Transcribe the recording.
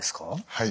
はい。